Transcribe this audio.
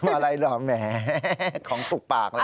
อะไรเหรอแหมของถูกปากเลย